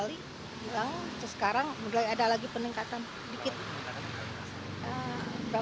terus sekarang mulai ada lagi peningkatan dikit